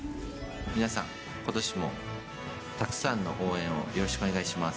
皆さん、ことしもたくさんの応援をよろしくお願いします。